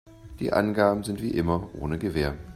Die Angaben sind wie immer ohne Gewähr.